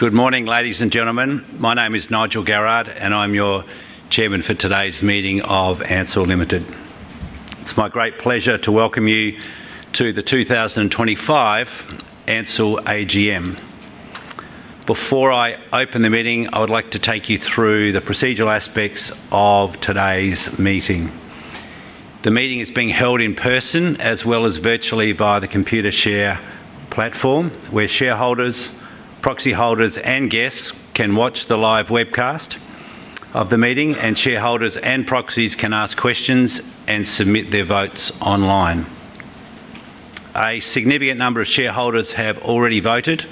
Good morning, ladies and gentlemen. My name is Nigel Garrard, and I'm your Chairman for today's meeting of Ansell Limited. It's my great pleasure to welcome you to the 2025 Ansell AGM. Before I open the meeting, I would like to take you through the procedural aspects of today's meeting. The meeting is being held in person, as well as virtually via the Computershare platform, where shareholders, proxy holders, and guests can watch the live webcast of the meeting, and shareholders and proxies can ask questions and submit their votes online. A significant number of shareholders have already voted,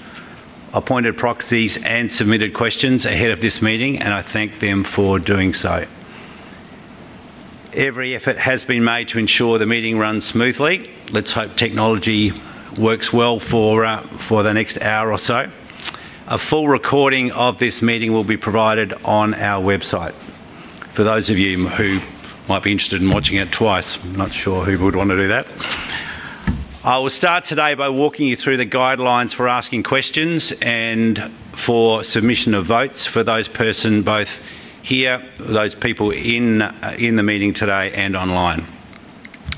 appointed proxies, and submitted questions ahead of this meeting, and I thank them for doing so. Every effort has been made to ensure the meeting runs smoothly. Let's hope technology works well for the next hour or so. A full recording of this meeting will be provided on our website. For those of you who might be interested in watching it twice, I'm not sure who would want to do that. I will start today by walking you through the guidelines for asking questions and for submission of votes for those people, both here, those people in the meeting today, and online.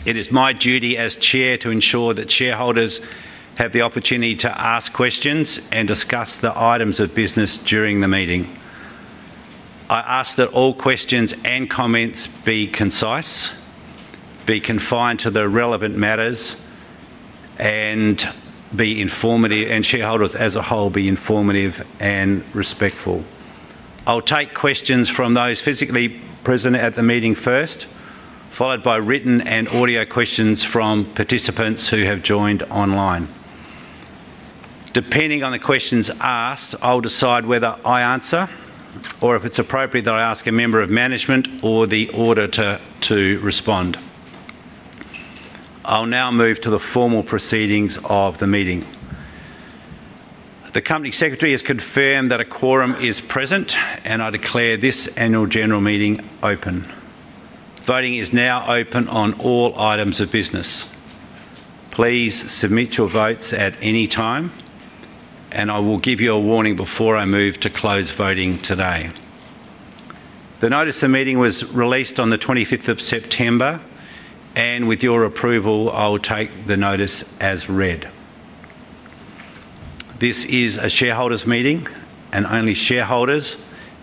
It is my duty as Chair to ensure that shareholders have the opportunity to ask questions and discuss the items of business during the meeting. I ask that all questions and comments be concise, be confined to the relevant matters, and be informative, and shareholders as a whole be informative and respectful. I'll take questions from those physically present at the meeting first, followed by written and audio questions from participants who have joined online. Depending on the questions asked, I'll decide whether I answer or if it's appropriate that I ask a member of management or the auditor to respond. I'll now move to the formal proceedings of the meeting. The Company Secretary has confirmed that a quorum is present, and I declare this annual general meeting open. Voting is now open on all items of business. Please submit your votes at any time, and I will give you a warning before I move to close voting today. The Notice of Meeting was released on the 25th of September, and with your approval, I'll take the notice as read. This is a shareholders' meeting, and only shareholders,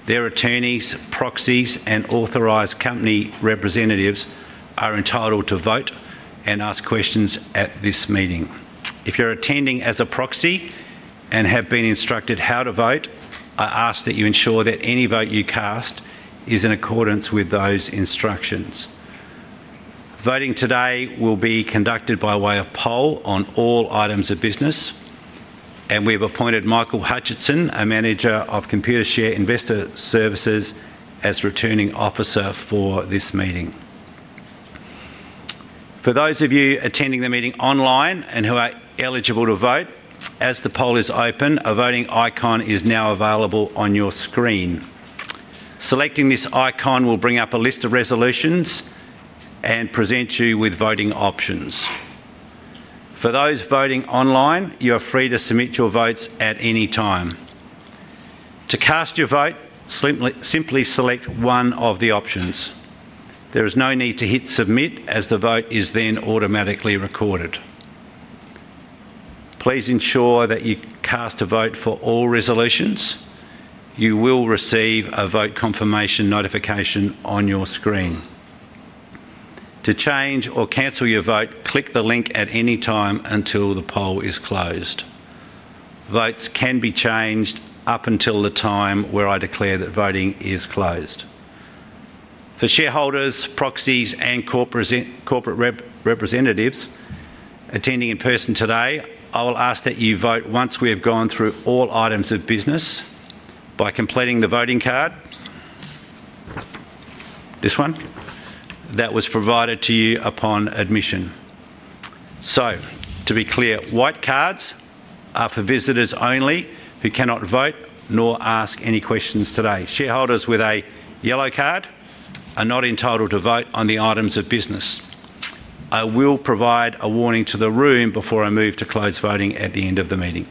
their attorneys, proxies, and authorized company representatives are entitled to vote and ask questions at this meeting. If you're attending as a proxy and have been instructed how to vote, I ask that you ensure that any vote you cast is in accordance with those instructions. Voting today will be conducted by way of poll on all items of business, and we have appointed Michael Hutchison, a manager of Computershare Investor Services, as returning officer for this meeting. For those of you attending the meeting online and who are eligible to vote, as the poll is open, a voting icon is now available on your screen. Selecting this icon will bring up a list of resolutions and present you with voting options. For those voting online, you are free to submit your votes at any time. To cast your vote, simply select one of the options. There is no need to hit submit, as the vote is then automatically recorded. Please ensure that you cast a vote for all resolutions. You will receive a vote confirmation notification on your screen. To change or cancel your vote, click the link at any time until the poll is closed. Votes can be changed up until the time where I declare that voting is closed. For shareholders, proxies, and corporate representatives attending in person today, I will ask that you vote once we have gone through all items of business by completing the voting card, this one, that was provided to you upon admission. To be clear, white cards are for visitors only who cannot vote nor ask any questions today. Shareholders with a yellow card are not entitled to vote on the items of business. I will provide a warning to the room before I move to close voting at the end of the meeting.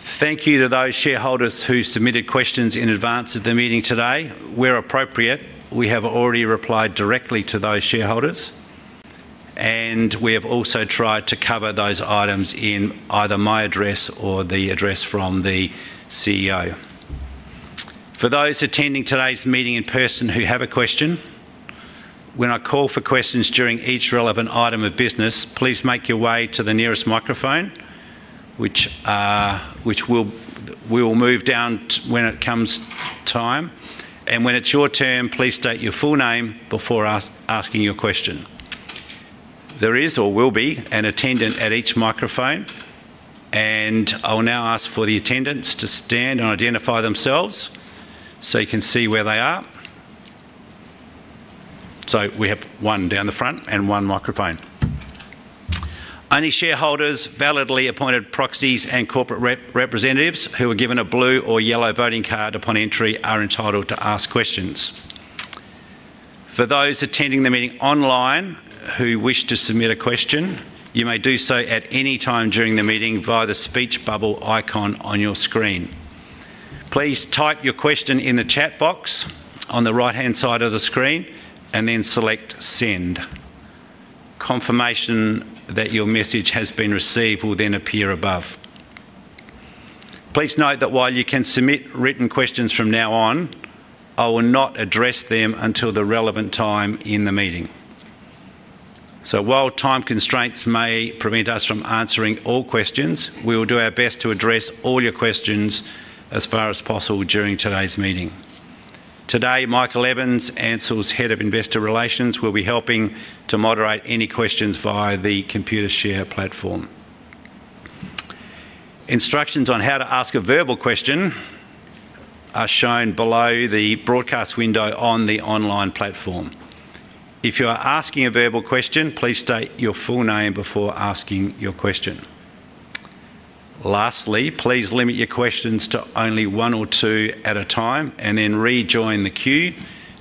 Thank you to those shareholders who submitted questions in advance of the meeting today. Where appropriate, we have already replied directly to those shareholders, and we have also tried to cover those items in either my address or the address from the CEO. For those attending today's meeting in person who have a question, when I call for questions during each relevant item of business, please make your way to the nearest microphone, which we will move down when it comes time. When it's your turn, please state your full name before asking your question. There is or will be an attendant at each microphone, and I will now ask for the attendants to stand and identify themselves so you can see where they are. We have one down the front and one microphone. Only shareholders, validly appointed proxies, and corporate representatives who are given a blue or yellow voting card upon entry are entitled to ask questions. For those attending the meeting online who wish to submit a question, you may do so at any time during the meeting via the speech bubble icon on your screen. Please type your question in the chat box on the right-hand side of the screen and then select send. Confirmation that your message has been received will then appear above. Please note that while you can submit written questions from now on, I will not address them until the relevant time in the meeting. While time constraints may prevent us from answering all questions, we will do our best to address all your questions as far as possible during today's meeting. Today, Michael Evans, Ansell's Head of Investor Relations, will be helping to moderate any questions via the Computershare platform. Instructions on how to ask a verbal question are shown below the broadcast window on the online platform. If you are asking a verbal question, please state your full name before asking your question. Lastly, please limit your questions to only one or two at a time and then rejoin the queue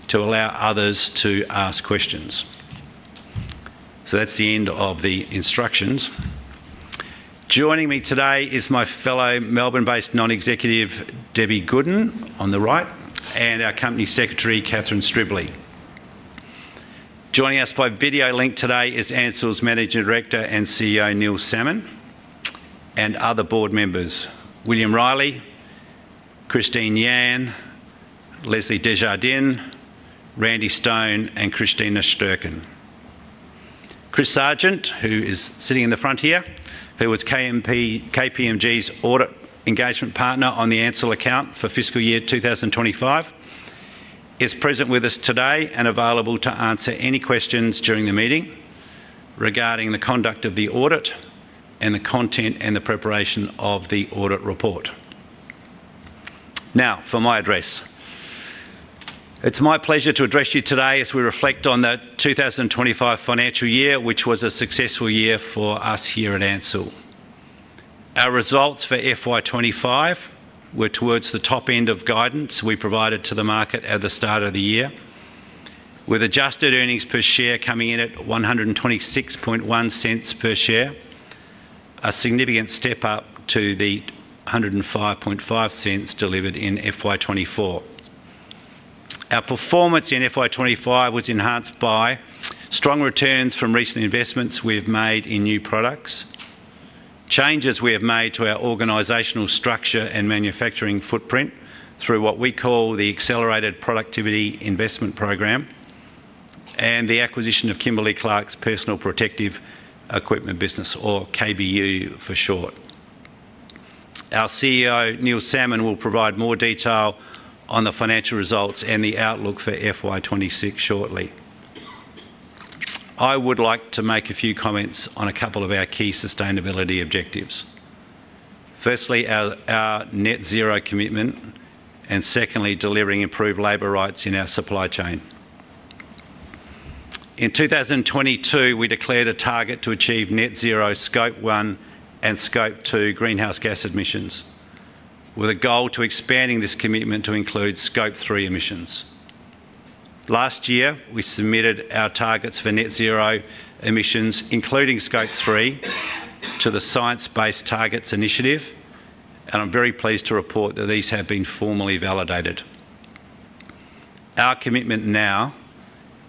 to allow others to ask questions. That's the end of the instructions. Joining me today is my fellow Melbourne-based Non-Executive, Debbie Goodin, on the right, and our Company Secretary, Catherine Stribley. Joining us by video link today is Ansell's Managing Director and CEO, Neil Salmon, and other board members: William Reilly, Christine Yan, Leslie Desjardins, Randy Stone, and Christina Stercken. Chris Sargent, who is sitting in the front here, who was KPMG's audit engagement partner on the Ansell account for fiscal year 2025, is present with us today and available to answer any questions during the meeting regarding the conduct of the audit and the content and the preparation of the audit report. Now, for my address. It's my pleasure to address you today as we reflect on the 2025 financial year, which was a successful year for us here at Ansell. Our results for FY 2025 were towards the top end of guidance we provided to the market at the start of the year, with adjusted earnings per share coming in at $1.261 per share, a significant step up to the $1.055 delivered in FY 2024. Our performance in FY 2025 was enhanced by strong returns from recent investments we have made in new products, changes we have made to our organizational structure and manufacturing footprint through what we call the Accelerated Productivity Investment Program and the acquisition of Kimberly-Clark Personal Protective Equipment Business, or KBU for short. Our CEO, Neil Salmon, will provide more detail on the financial results and the outlook for FY 2026 shortly. I would like to make a few comments on a couple of our key sustainability objectives. Firstly, our net zero commitment, and secondly, delivering improved labor rights in our supply chain. In 2022, we declared a target to achieve net zero Scope 1 and Scope 2 greenhouse gas emissions, with a goal to expand this commitment to include Scope 3 emissions. Last year, we submitted our targets for net zero emissions, including Scope 3, to the Science-Based Targets Initiative, and I'm very pleased to report that these have been formally validated. Our commitment now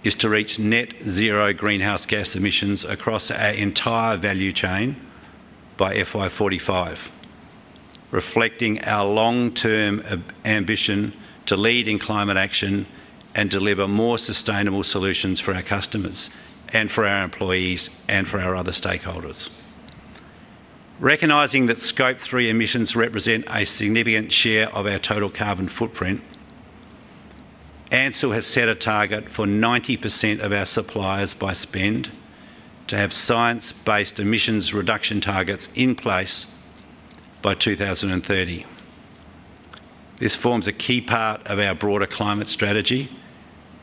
is to reach net zero greenhouse gas emissions across our entire value chain by FY 2045, reflecting our long-term ambition to lead in climate action and deliver more sustainable solutions for our customers and for our employees and for our other stakeholders. Recognizing that Scope 3 emissions represent a significant share of our total carbon footprint, Ansell has set a target for 90% of our suppliers by spend to have science-based emissions reduction targets in place by 2030. This forms a key part of our broader climate strategy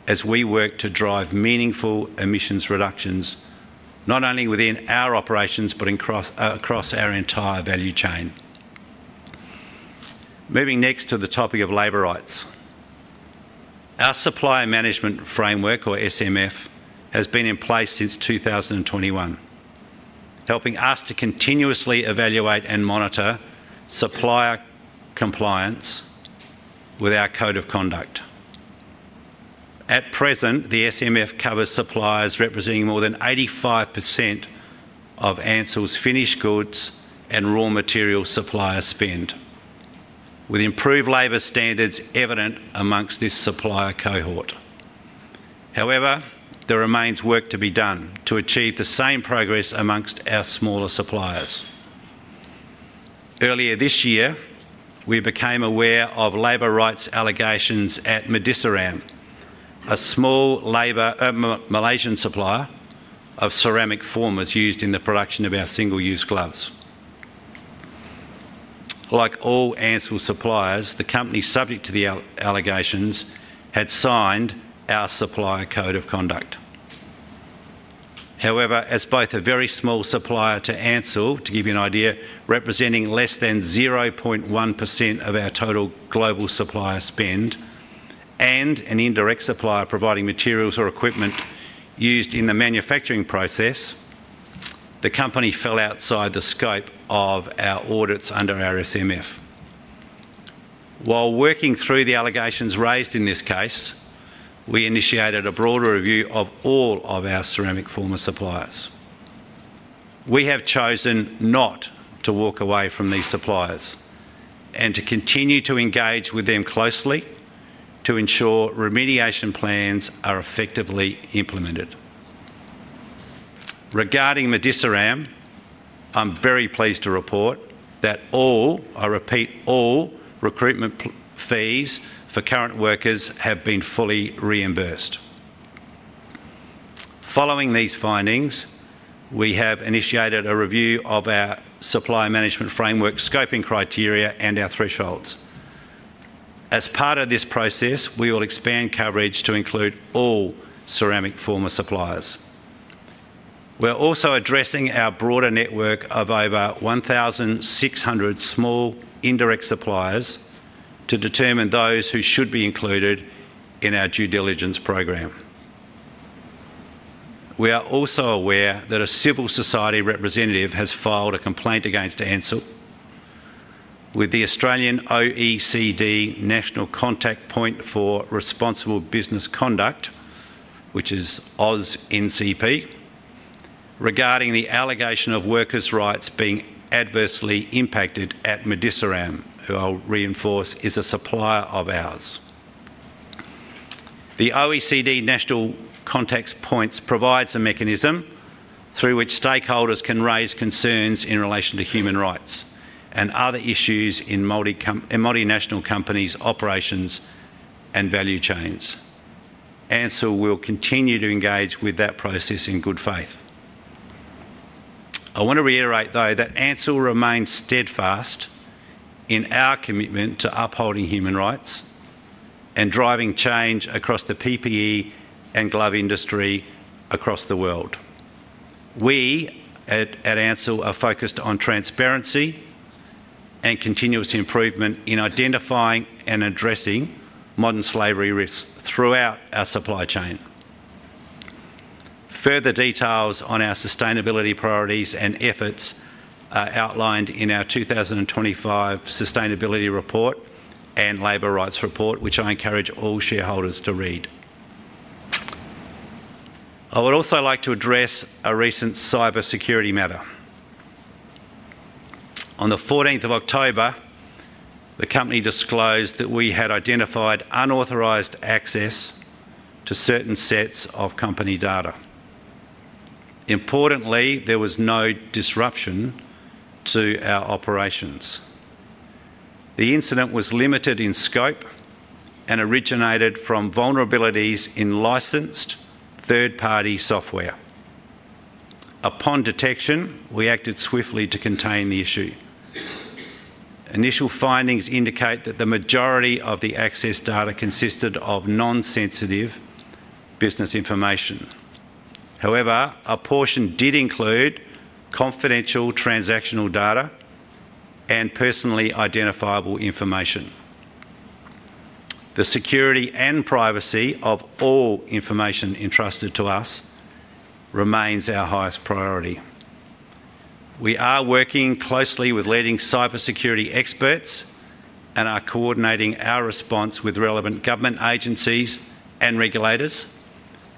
as we work to drive meaningful emissions reductions, not only within our operations but across our entire value chain. Moving next to the topic of labor rights, our Supplier Management Framework, or SMF, has been in place since 2021, helping us to continuously evaluate and monitor supplier compliance with our code of conduct. At present, the SMF covers suppliers representing more than 85% of Ansell's finished goods and raw materials supplier spend, with improved labor standards evident amongst this supplier cohort. However, there remains work to be done to achieve the same progress amongst our smaller suppliers. Earlier this year, we became aware of labor rights allegations at MediCeram, a small Malaysian supplier of ceramic formers used in the production of our single-use gloves. Like all Ansell suppliers, the company subject to the allegations had signed our supplier code of conduct. However, as both a very small supplier to Ansell, to give you an idea, representing less than 0.1% of our total global supplier spend and an indirect supplier providing materials or equipment used in the manufacturing process, the company fell outside the scope of our audits under our SMF. While working through the allegations raised in this case, we initiated a broader review of all of our ceramic former suppliers. We have chosen not to walk away from these suppliers and to continue to engage with them closely to ensure remediation plans are effectively implemented. Regarding MediCeram, I'm very pleased to report that all, I repeat, all recruitment fees for current workers have been fully reimbursed. Following these findings, we have initiated a review of our supplier management framework scoping criteria and our thresholds. As part of this process, we will expand coverage to include all ceramic former suppliers. We're also addressing our broader network of over 1,600 small indirect suppliers to determine those who should be included in our due diligence program. We are also aware that a civil society representative has filed a complaint against Ansell with the Australian OECD National Contact Point for Responsible Business Conduct, which is OZNCP, regarding the allegation of workers' rights being adversely impacted at MediCeram, who I'll reinforce is a supplier of ours. The OECD National Contact Points provides a mechanism through which stakeholders can raise concerns in relation to human rights and other issues in multinational companies' operations and value chains. Ansell will continue to engage with that process in good faith. I want to reiterate, though, that Ansell remains steadfast in our commitment to upholding human rights and driving change across the PPE and glove industry across the world. We at Ansell are focused on transparency and continuous improvement in identifying and addressing modern slavery risks throughout our supply chain. Further details on our sustainability priorities and efforts are outlined in our 2025 Sustainability Report and Labour Rights Report, which I encourage all shareholders to read. I would also like to address a recent cybersecurity matter. On the 14th of October, the company disclosed that we had identified unauthorized access to certain sets of company data. Importantly, there was no disruption to our operations. The incident was limited in scope and originated from vulnerabilities in licensed third-party software. Upon detection, we acted swiftly to contain the issue. Initial findings indicate that the majority of the access data consisted of non-sensitive business information. However, a portion did include confidential transactional data and personally identifiable information. The security and privacy of all information entrusted to us remains our highest priority. We are working closely with leading cybersecurity experts and are coordinating our response with relevant government agencies and regulators,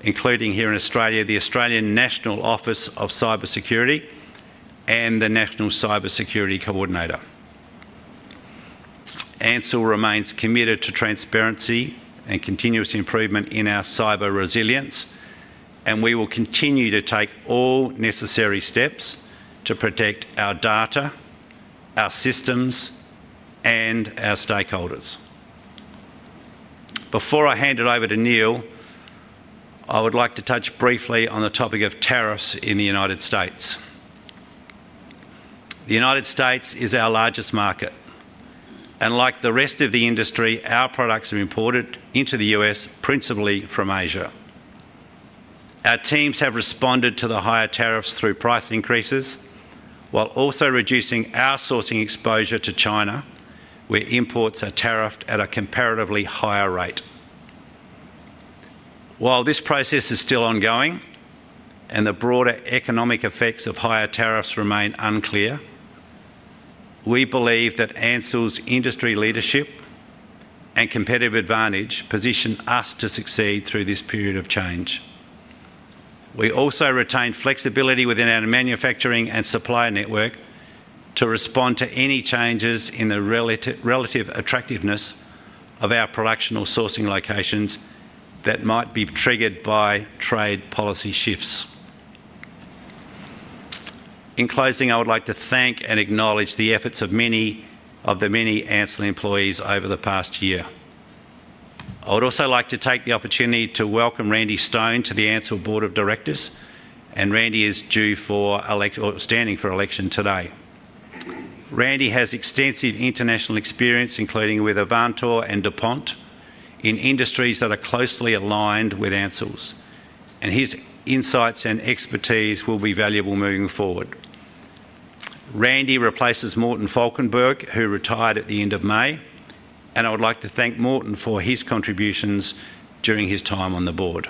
including here in Australia, the Australian National Office of Cybersecurity and the National Cybersecurity Coordinator. Ansell remains committed to transparency and continuous improvement in our cyber resilience, and we will continue to take all necessary steps to protect our data, our systems, and our stakeholders. Before I hand it over to Neil, I would like to touch briefly on the topic of tariffs in the United States. The United States is our largest market, and like the rest of the industry, our products are imported into the U.S. principally from Asia. Our teams have responded to the higher tariffs through price increases while also reducing our sourcing exposure to China, where imports are tariffed at a comparatively higher rate. While this process is still ongoing and the broader economic effects of higher tariffs remain unclear, we believe that Ansell's industry leadership and competitive advantage position us to succeed through this period of change. We also retain flexibility within our manufacturing and supply network to respond to any changes in the relative attractiveness of our production or sourcing locations that might be triggered by trade policy shifts. In closing, I would like to thank and acknowledge the efforts of many Ansell employees over the past year. I would also like to take the opportunity to welcome Randy Stone to the Ansell Board of Directors, and Randy is due for standing for election today. Randy has extensive international experience, including with Avantor and DuPont, in industries that are closely aligned with Ansell's, and his insights and expertise will be valuable moving forward. Randy replaces Morten Falkenberg, who retired at the end of May, and I would like to thank Morten for his contributions during his time on the board.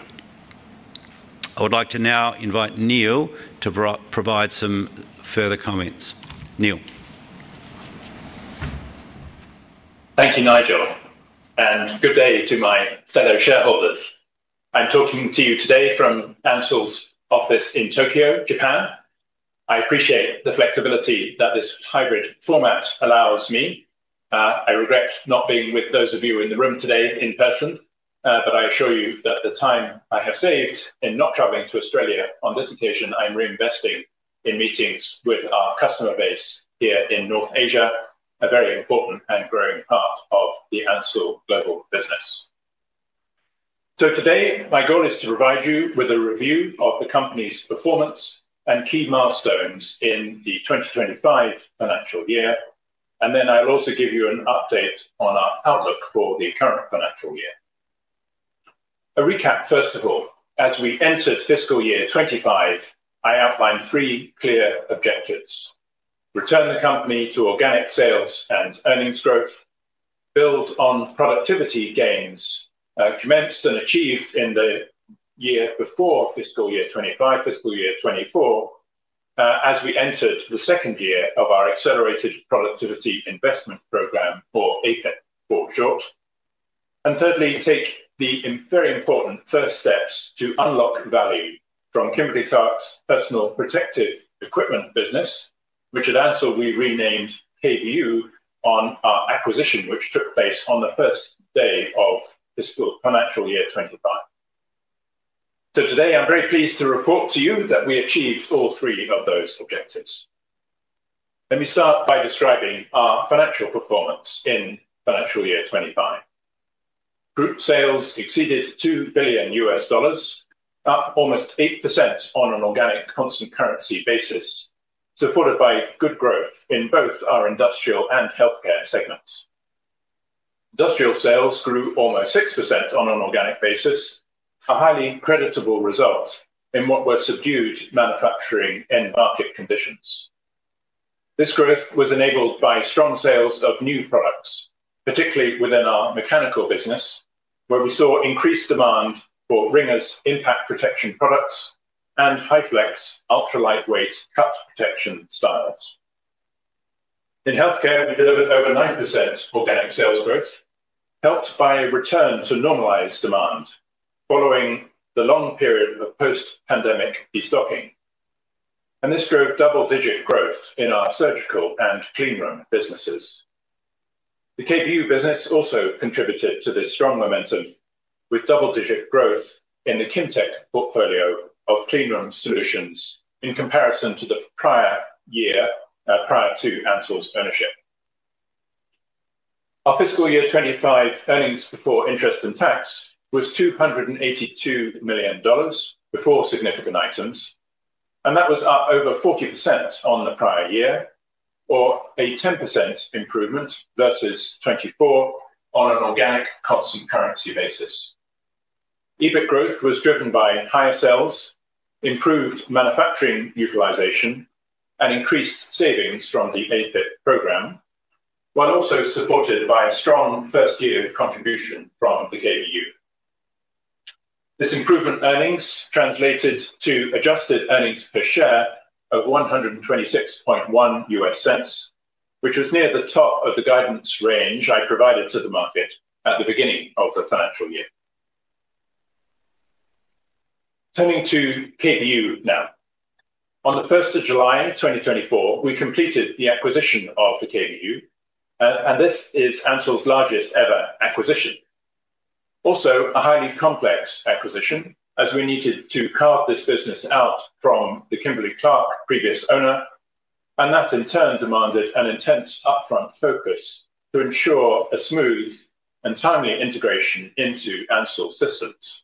I would like to now invite Neil to provide some further comments. Neil. Thank you, Nigel, and good day to my fellow shareholders. I'm talking to you today from Ansell's office in Tokyo, Japan. I appreciate the flexibility that this hybrid format allows me. I regret not being with those of you in the room today in person, but I assure you that the time I have saved in not traveling to Australia on this occasion, I'm reinvesting in meetings with our customer base here in North Asia, a very important and growing part of the Ansell global business. Today, my goal is to provide you with a review of the company's performance and key milestones in the 2025 financial year, and I'll also give you an update on our outlook for the current financial year. A recap, first of all, as we entered fiscal year 2025, I outlined three clear objectives: return the company to organic sales and earnings growth, build on productivity gains commenced and achieved in the year before fiscal year 2025, fiscal year 2024, as we entered the second year of our Accelerated Productivity Investment Program, or APIP for short, and thirdly, take the very important first steps to unlock value from Kimberly-Clark Personal Protective Equipment Business, which at Ansell we renamed KBU on our acquisition, which took place on the first day of fiscal year 2025. Today, I'm very pleased to report to you that we achieved all three of those objectives. Let me start by describing our financial performance in fiscal year 2025. Group sales exceeded $2 billion, up almost 8% on an organic constant currency basis, supported by good growth in both our industrial and healthcare segments. Industrial sales grew almost 6% on an organic basis, a highly creditable result in what were subdued manufacturing and market conditions. This growth was enabled by strong sales of new products, particularly within our mechanical business, where we saw increased demand for Ringers impact protection products and HyFlex ultra-lightweight cut protection styles. In healthcare, we delivered over 9% organic sales growth, helped by a return to normalized demand following the long period of post-pandemic destocking, and this drove double-digit growth in our surgical and cleanroom businesses. The KBU business also contributed to this strong momentum with double-digit growth in the KimTech portfolio of cleanroom solutions in comparison to the prior year prior to Ansell's ownership. Our fiscal year 2025 earnings before interest and tax was $282 million before significant items, and that was up over 40% on the prior year, or a 10% improvement versus 2024 on an organic constant currency basis. EBIT growth was driven by higher sales, improved manufacturing utilization, and increased savings from the APIP program, while also supported by a strong first-year contribution from the KBU. This improvement in earnings translated to adjusted earnings per share of $1.261, which was near the top of the guidance range I provided to the market at the beginning of the financial year. Turning to KBU now. On the 1st of July 2024, we completed the acquisition of the KBU, and this is Ansell's largest ever acquisition. Also, a highly complex acquisition as we needed to carve this business out from the Kimberly-Clark previous owner, and that in turn demanded an intense upfront focus to ensure a smooth and timely integration into Ansell Systems.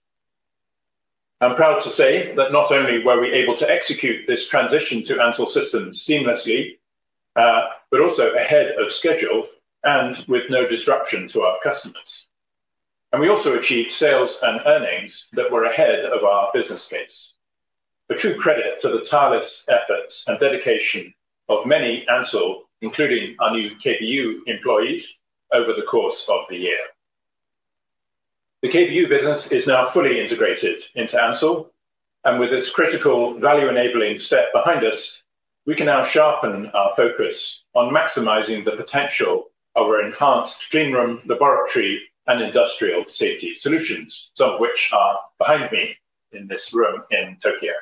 I'm proud to say that not only were we able to execute this transition to Ansell Systems seamlessly, but also ahead of schedule and with no disruption to our customers. We also achieved sales and earnings that were ahead of our business case. A true credit to the tireless efforts and dedication of many at Ansell, including our new KBU employees, over the course of the year. The KBU business is now fully integrated into Ansell, and with this critical value-enabling step behind us, we can now sharpen our focus on maximizing the potential of our enhanced cleanroom, laboratory, and industrial safety solutions, some of which are behind me in this room in Tokyo.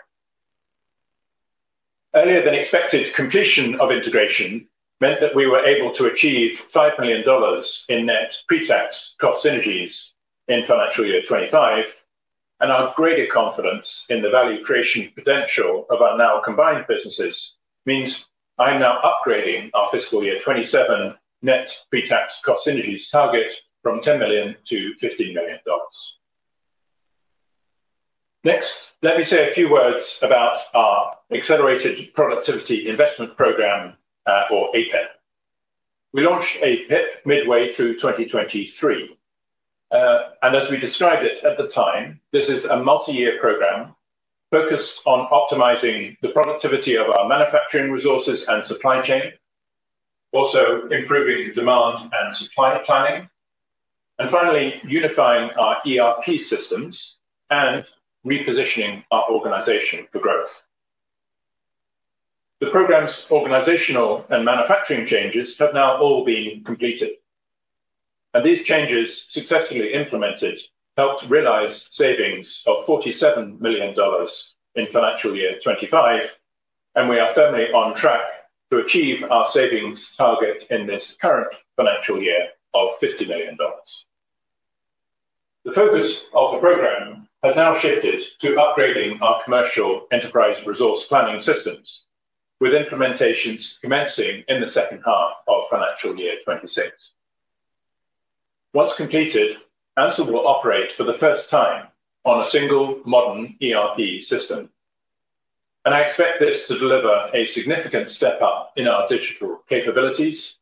Earlier than expected, completion of integration meant that we were able to achieve $5 million in net pre-tax cost synergies in fiscal year 2025, and our greater confidence in the value creation potential of our now combined businesses means I'm now upgrading our fiscal year 2027 net pre-tax cost synergies target from $10 million to $15 million. Next, let me say a few words about our Accelerated Productivity Investment Program, or APIP. We launched APIP midway through 2023, and as we described it at the time, this is a multi-year program focused on optimizing the productivity of our manufacturing resources and supply chain, also improving demand and supply planning, and finally unifying our ERP systems and repositioning our organization for growth. The program's organizational and manufacturing changes have now all been completed, and these changes successfully implemented helped realize savings of $47 million in financial year 2025, and we are firmly on track to achieve our savings target in this current financial year of $50 million. The focus of the program has now shifted to upgrading our commercial enterprise resource planning systems with implementations commencing in the second half of financial year 2026. Once completed, Ansell will operate for the first time on a single modern ERP system, and I expect this to deliver a significant step up in our digital capabilities,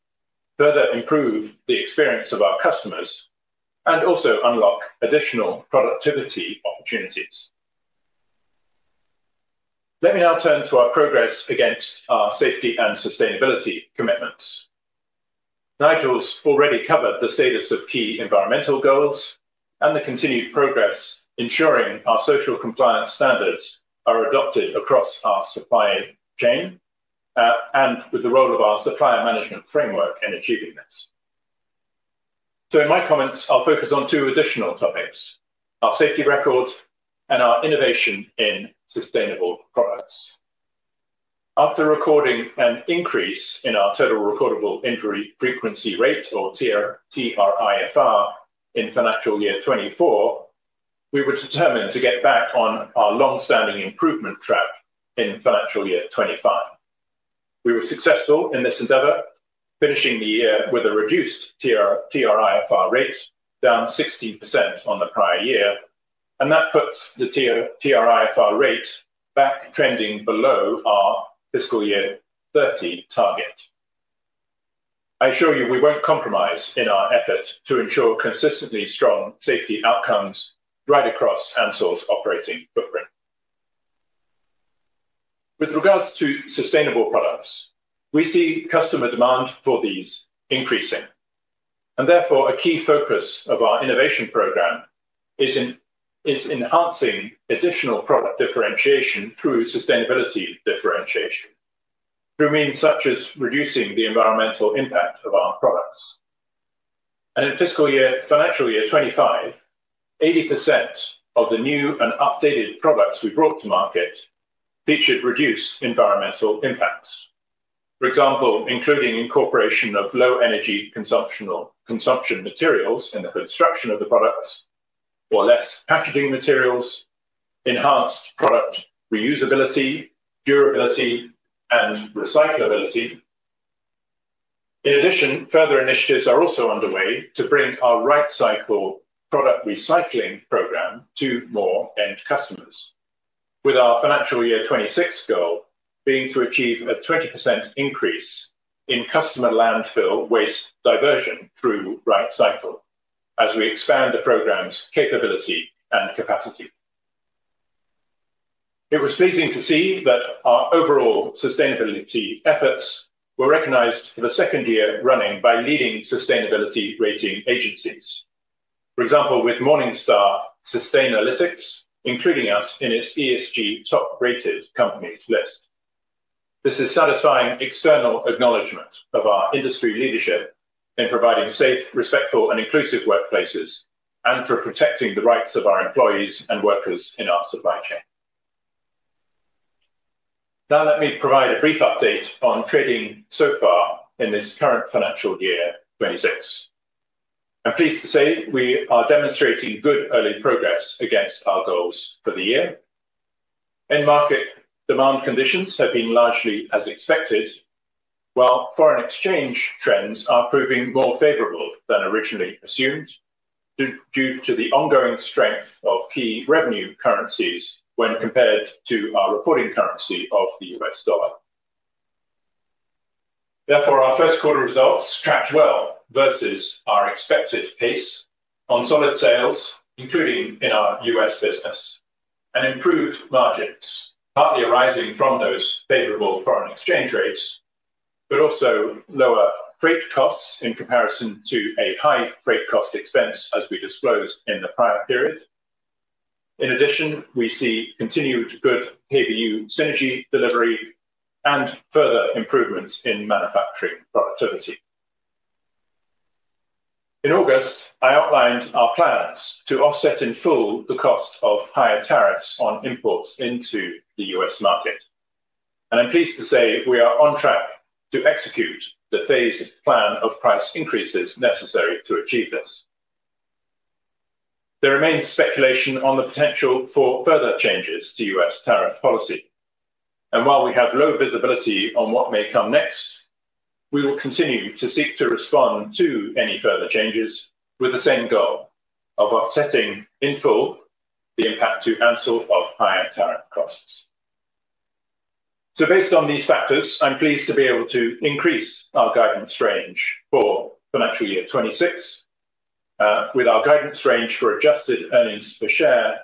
further improve the experience of our customers, and also unlock additional productivity opportunities. Let me now turn to our progress against our safety and sustainability commitments. Nigel's already covered the status of key environmental goals and the continued progress ensuring our social compliance standards are adopted across our supply chain and with the role of our supplier management framework in achieving this. In my comments, I'll focus on two additional topics: our safety record and our innovation in sustainable products. After recording an increase in our total recordable injury frequency rate, or TRIFR, in financial year 2024, we were determined to get back on our long-standing improvement track in financial year 2025. We were successful in this endeavor finishing the year with a reduced TRIFR rate down 16% on the prior year, and that puts the TRIFR rate back trending below our fiscal year 2030 target. I assure you we won't compromise in our effort to ensure consistently strong safety outcomes right across Ansell's operating footprint. With regards to sustainable products, we see customer demand for these increasing, and therefore a key focus of our innovation program is in enhancing additional product differentiation through sustainability differentiation through means such as reducing the environmental impact of our products. In financial year 2025, 80% of the new and updated products we brought to market featured reduced environmental impacts. For example, including incorporation of low energy consumption materials in the construction of the products or less packaging materials, enhanced product reusability, durability, and recyclability. In addition, further initiatives are also underway to bring our Right Cycle product recycling program to more end customers, with our financial year 2026 goal being to achieve a 20% increase in customer landfill waste diversion through Right Cycle as we expand the program's capability and capacity. It was pleasing to see that our overall sustainability efforts were recognized for the second year running by leading sustainability rating agencies. For example, with Morningstar Sustainalytics including us in its ESG top-rated companies list. This is satisfying external acknowledgment of our industry leadership in providing safe, respectful, and inclusive workplaces and for protecting the rights of our employees and workers in our supply chain. Now let me provide a brief update on trading so far in this current financial year 2026. I'm pleased to say we are demonstrating good early progress against our goals for the year. End market demand conditions have been largely as expected, while foreign exchange trends are proving more favorable than originally assumed due to the ongoing strength of key revenue currencies when compared to our reporting currency of the U.S. dollar. Therefore, our first quarter results tracked well versus our expected pace on solid sales, including in our U.S. business, and improved margins, partly arising from those favorable foreign exchange rates, but also lower freight costs in comparison to a high freight cost expense as we disclosed in the prior period. In addition, we see continued good KBU synergy delivery and further improvements in manufacturing productivity. In August, I outlined our plans to offset in full the cost of higher tariffs on imports into the U.S. market, and I'm pleased to say we are on track to execute the phased plan of price increases necessary to achieve this. There remains speculation on the potential for further changes to U.S. tariff policy, and while we have low visibility on what may come next, we will continue to seek to respond to any further changes with the same goal of offsetting in full the impact to Ansell of higher tariff costs. Based on these factors, I'm pleased to be able to increase our guidance range for financial year 2026 with our guidance range for adjusted earnings per share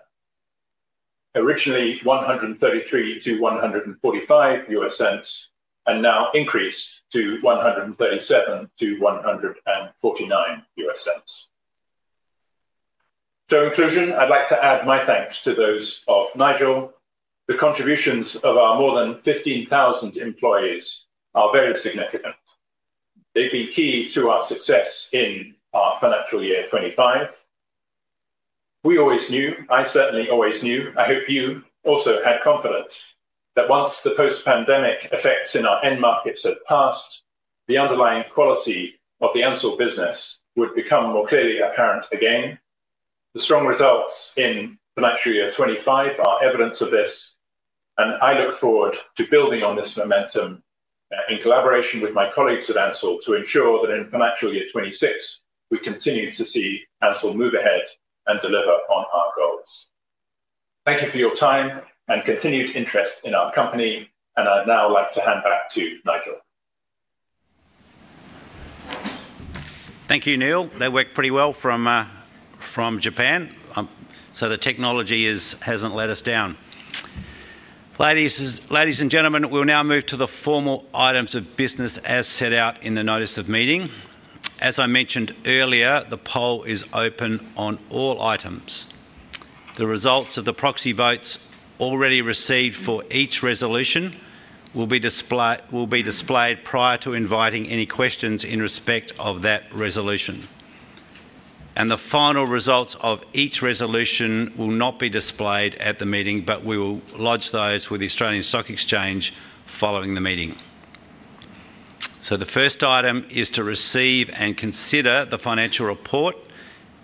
originally $1.33-$1.45 and now increased to $1.37-$1.49. In conclusion, I'd like to add my thanks to those of Nigel. The contributions of our more than 15,000 employees are very significant. They've been key to our success in our financial year 2025. We always knew, I certainly always knew, I hope you also had confidence that once the post-pandemic effects in our end markets had passed, the underlying quality of the Ansell business would become more clearly apparent again. The strong results in financial year 2025 are evidence of this, and I look forward to building on this momentum in collaboration with my colleagues at Ansell to ensure that in financial year 2026 we continue to see Ansell move ahead and deliver on our goals. Thank you for your time and continued interest in our company, and I'd now like to hand back to Nigel. Thank you, Neil. They work pretty well from Japan, so the technology hasn't let us down. Ladies and gentlemen, we'll now move to the formal items of business as set out in the notice of meeting. As I mentioned earlier, the poll is open on all items. The results of the proxy votes already received for each resolution will be displayed prior to inviting any questions in respect of that resolution. The final results of each resolution will not be displayed at the meeting, but we will lodge those with the Australian Stock Exchange following the meeting. The first item is to receive and consider the financial report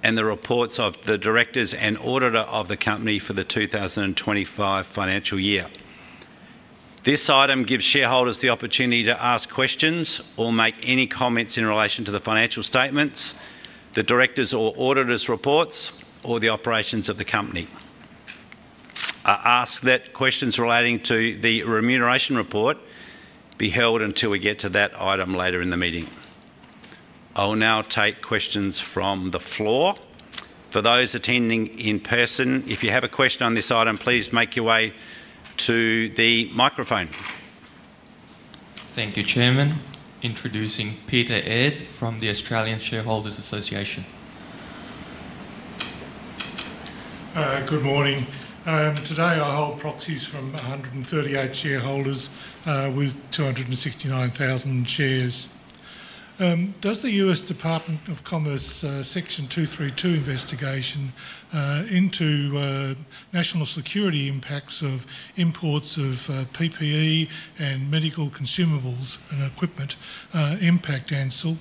and the reports of the directors and auditor of the company for the 2025 financial year. This item gives shareholders the opportunity to ask questions or make any comments in relation to the financial statements, the directors' or auditor's reports, or the operations of the company. I ask that questions relating to the remuneration report be held until we get to that item later in the meeting. I will now take questions from the floor. For those attending in person, if you have a question on this item, please make your way to the microphone. Thank you, Chairman. Introducing Peter Ed from the Australian Shareholders' Association. Good morning. Today, I hold proxies from 138 shareholders with 269,000 shares. Does the U.S. Department of Commerce Section 232 investigation into national security impacts of imports of PPE and medical consumables and equipment impact Ansell?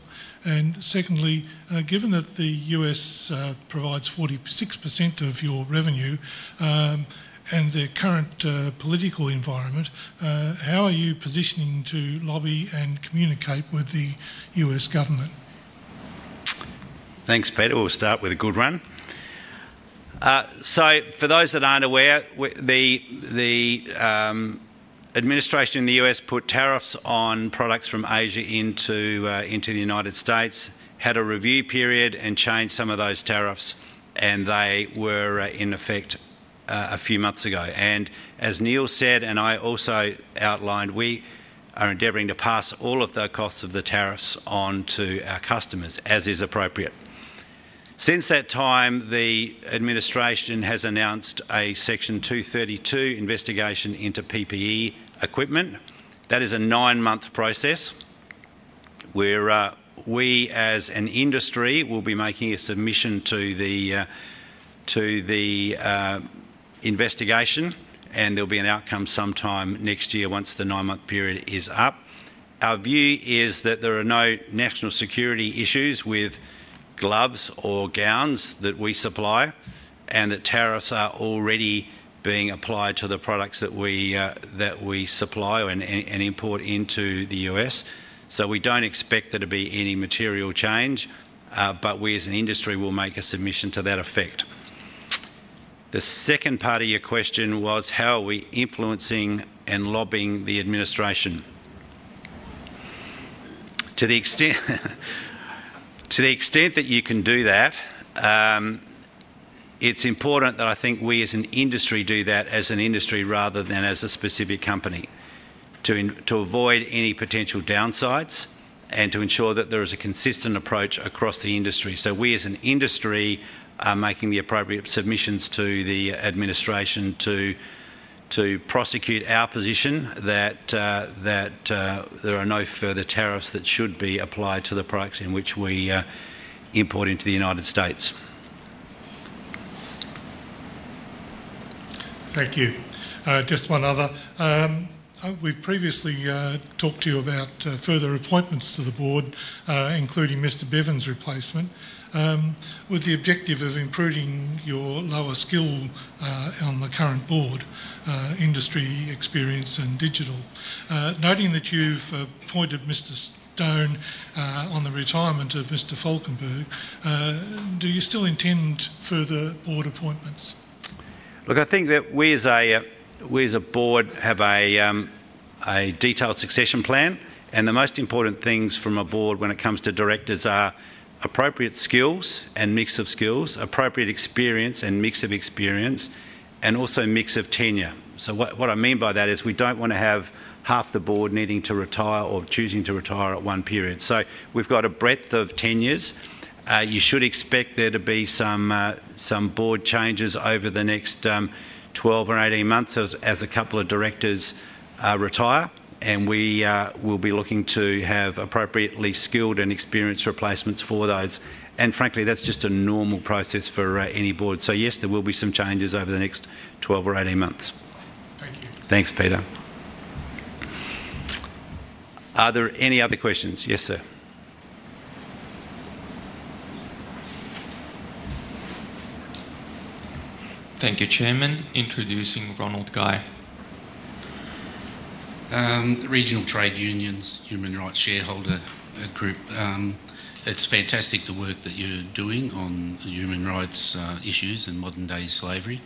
Secondly, given that the U.S. provides 46% of your revenue and the current political environment, how are you positioning to lobby and communicate with the U.S. government? Thanks, Peter. We'll start with a good one. For those that aren't aware, the administration in the U.S. put tariffs on products from Asia into the United States, had a review period, and changed some of those tariffs, and they were in effect a few months ago. As Neil said and I also outlined, we are endeavoring to pass all of the costs of the tariffs onto our customers as is appropriate. Since that time, the administration has announced a Section 232 investigation into PPE equipment. That is a nine-month process where we as an industry will be making a submission to the investigation, and there'll be an outcome sometime next year once the nine-month period is up. Our view is that there are no national security issues with gloves or gowns that we supply and that tariffs are already being applied to the products that we supply and import into the U.S. We don't expect there to be any material change, but we as an industry will make a submission to that effect. The second part of your question was how are we influencing and lobbying the administration? To the extent that you can do that, it's important that I think we as an industry do that as an industry rather than as a specific company to avoid any potential downsides and to ensure that there is a consistent approach across the industry. We as an industry are making the appropriate submissions to the administration to prosecute our position that there are no further tariffs that should be applied to the products in which we import into the United States. Thank you. Just one other. We've previously talked to you about further appointments to the Board, including Mr. Bevan's replacement, with the objective of improving your lower skill on the current Board, industry experience, and digital. Noting that you've appointed Mr. Stone on the retirement of Mr. Falkenberg, do you still intend further Board appointments? Look, I think that we as a board have a detailed succession plan, and the most important things from a board when it comes to directors are appropriate skills and mix of skills, appropriate experience and mix of experience, and also a mix of tenure. What I mean by that is we don't want to have half the board needing to retire or choosing to retire at one period. We've got a breadth of tenures. You should expect there to be some board changes over the next 12 or 18 months as a couple of directors retire, and we will be looking to have appropriately skilled and experienced replacements for those. Frankly, that's just a normal process for any board. Yes, there will be some changes over the next 12 or 18 months. Thank you. Thanks, Peter. Are there any other questions? Yes, sir. Thank you, Chairman. Introducing Ronald Guy. Regional Trade Unions, Human Rights Shareholder Group. It's fantastic the work that you're doing on human rights issues and modern-day slavery.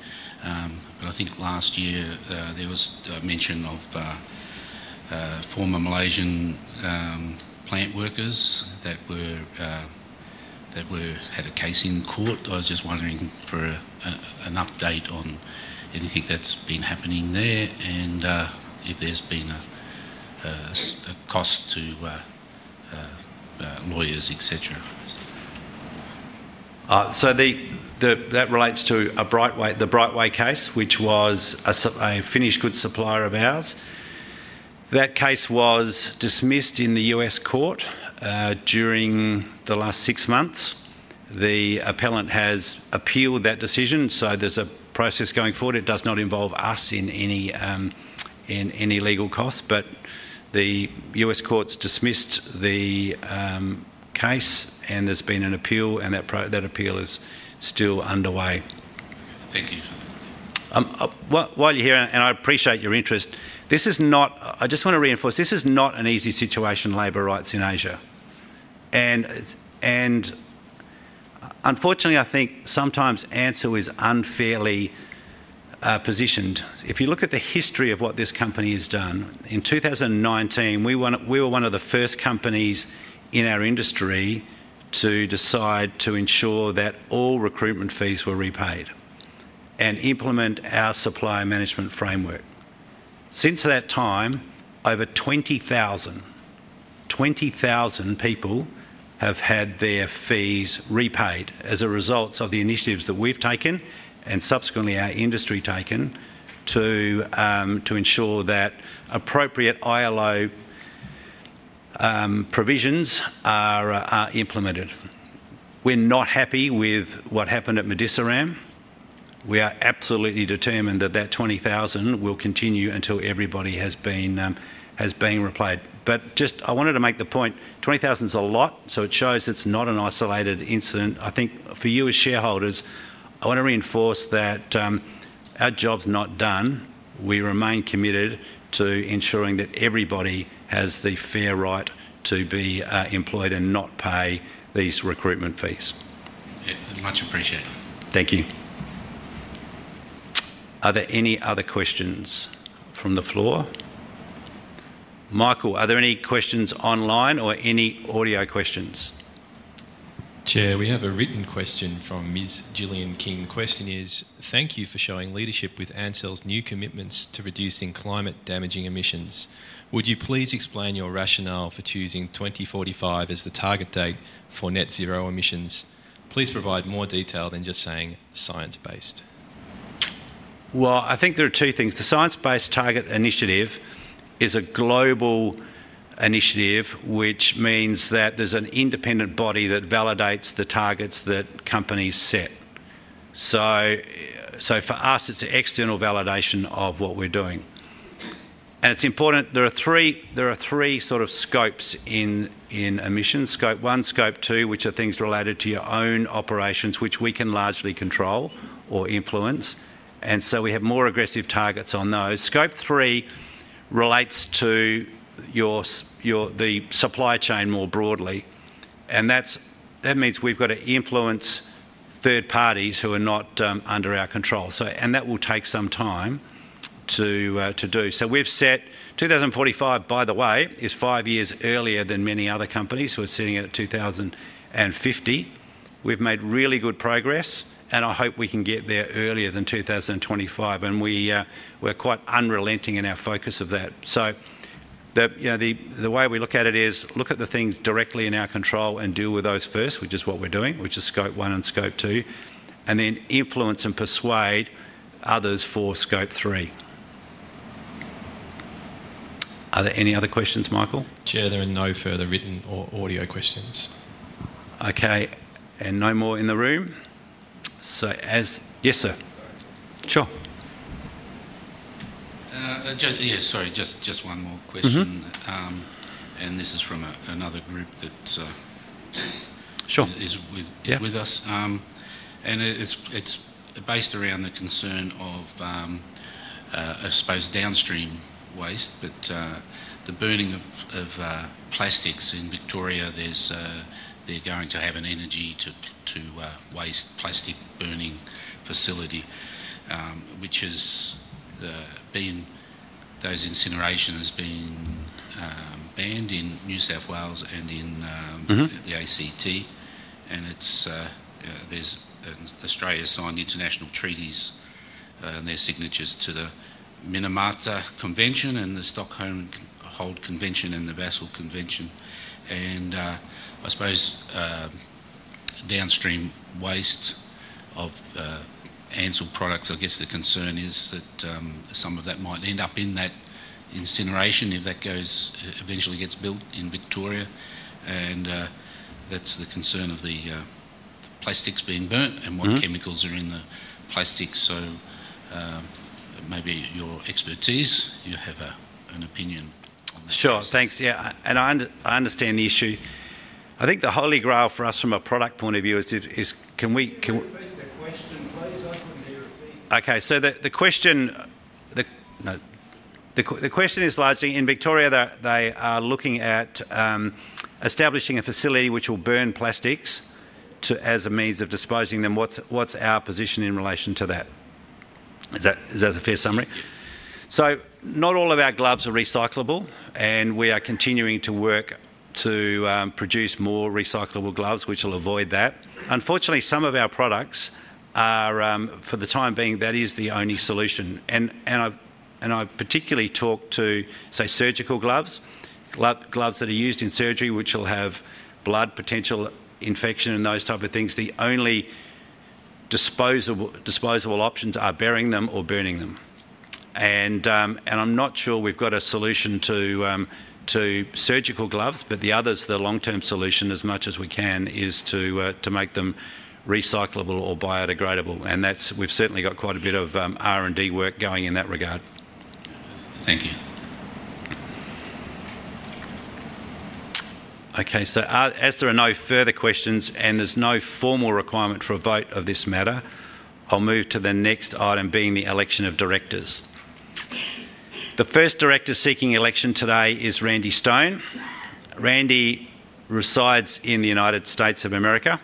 I think last year there was a mention of former Malaysian plant workers that had a case in court. I was just wondering for an update on anything that's been happening there and if there's been a cost to lawyers, etc. That relates to the Brightway case, which was a finished goods supplier of ours. That case was dismissed in the U.S. court during the last six months. The appellant has appealed that decision, so there's a process going forward. It does not involve us in any legal costs, but the U.S. courts dismissed the case and there's been an appeal and that appeal is still underway. Thank you. While you're here, and I appreciate your interest, I just want to reinforce this is not an easy situation in labor rights in Asia. Unfortunately, I think sometimes Ansell is unfairly positioned. If you look at the history of what this company has done, in 2019, we were one of the first companies in our industry to decide to ensure that all recruitment fees were repaid and implement our supply management framework. Since that time, over 20,000 people have had their fees repaid as a result of the initiatives that we've taken and subsequently our industry taken to ensure that appropriate ILO provisions are implemented. We're not happy with what happened at MediCeram. We are absolutely determined that that 20,000 will continue until everybody has been repaid. I wanted to make the point, 20,000 is a lot, so it shows it's not an isolated incident. I think for you as shareholders, I want to reinforce that our job's not done. We remain committed to ensuring that everybody has the fair right to be employed and not pay these recruitment fees. Much appreciated. Thank you. Are there any other questions from the floor? Michael, are there any questions online or any audio questions? Chair, we have a written question from Ms. Gillian King. The question is, thank you for showing leadership with Ansell's new commitments to reducing climate-damaging emissions. Would you please explain your rationale for choosing 2045 as the target date for net zero emissions? Please provide more detail than just saying science-based. I think there are two things. The science-based target initiative is a global initiative, which means that there's an independent body that validates the targets that companies set. For us, it's external validation of what we're doing. It's important there are three sort of scopes in emissions: Scope 1, Scope 2, which are things related to your own operations, which we can largely control or influence, and we have more aggressive targets on those. Scope 3 relates to the supply chain more broadly, and that means we've got to influence third parties who are not under our control. That will take some time to do. We've set 2045, by the way, which is five years earlier than many other companies who are sitting at 2050. We've made really good progress, and I hope we can get there earlier than 2045. We're quite unrelenting in our focus of that. The way we look at it is to look at the things directly in our control and deal with those first, which is what we're doing, which is Scope 1 and Scope 2, and then influence and persuade others for Scope 3. Are there any other questions, Michael? Chair, there are no further written or audio questions. Okay. No more in the room. Yes, sir. Sure. Yeah, sorry, just one more question. This is from another group that is with us. It's based around the concern of, I suppose, downstream waste, but the burning of plastics in Victoria. They're going to have an energy-to-waste plastic burning facility, which has been, since incineration has been banned in New South Wales and in the ACT. Australia signed international treaties and they're signatories to the Minamata Convention, the Stockholm Convention, and the Basel Convention. I suppose downstream waste of Ansell products, I guess the concern is that some of that might end up in that incineration if that eventually gets built in Victoria. That's the concern of the plastics being burnt and what chemicals are in the plastics. Maybe your expertise, you have an opinion on this. Sure, thanks. Yeah, I understand the issue. I think the holy grail for us from a product point of view is can. Repeat the question, please. Okay, the question is largely in Victoria, they are looking at establishing a facility which will burn plastics as a means of disposing them. What's our position in relation to that? Is that a fair summary? Not all of our gloves are recyclable, and we are continuing to work to produce more recyclable gloves, which will avoid that. Unfortunately, some of our products are, for the time being, that is the only solution. I particularly talk to, say, surgical gloves, gloves that are used in surgery, which will have blood, potential infection, and those types of things. The only disposable options are burying them or burning them. I'm not sure we've got a solution to surgical gloves, but the others, the long-term solution, as much as we can, is to make them recyclable or biodegradable. We've certainly got quite a bit of R&D work going in that regard. Thank you. Okay, as there are no further questions and there's no formal requirement for a vote on this matter, I'll move to the next item, being the election of directors. The first director seeking election today is Randy Stone. Randy resides in the United States of America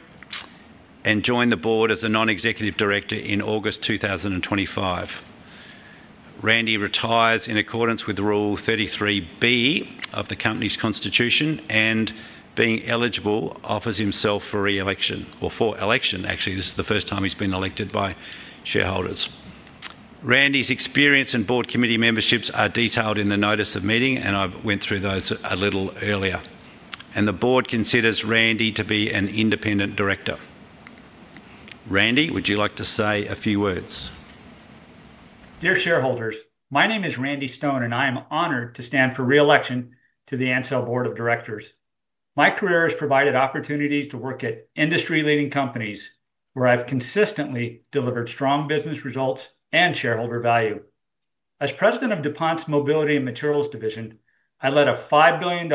and joined the board as a non-executive director in August 2025. Randy retires in accordance with Rule 33B of the company's constitution and, being eligible, offers himself for re-election or for election. Actually, this is the first time he's been elected by shareholders. Randy's experience and board committee memberships are detailed in the notice of meeting, and I went through those a little earlier. The board considers Randy to be an independent director. Randy, would you like to say a few words? Dear shareholders, my name is Randy Stone and I am honored to stand for re-election to the Ansell Board of Directors. My career has provided opportunities to work at industry-leading companies where I've consistently delivered strong business results and shareholder value. As President of DuPont's Mobility and Materials Division, I led a $5 billion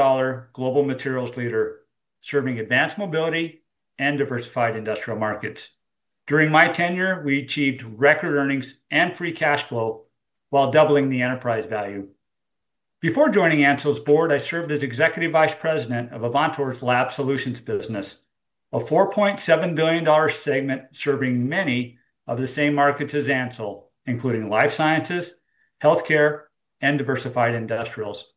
global materials leader serving advanced mobility and diversified industrial markets. During my tenure, we achieved record earnings and free cash flow while doubling the enterprise value. Before joining Ansell's Board, I served as Executive Vice President of Avantor's Lab Solutions business, a $4.7 billion segment serving many of the same markets as Ansell, including life sciences, healthcare, and diversified industrials.